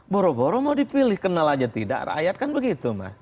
boroboro mau dipilih kenal aja tidak rakyat kan begitu